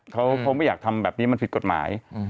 เขาไม่อยากทำแบบนี้มันผิดกฎหมาย